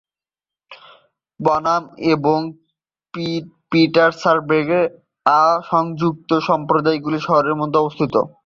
Barnum এবং পিটার্সবার্গের অ-সংযুক্ত সম্প্রদায়গুলি শহরের মধ্যে অবস্থিত।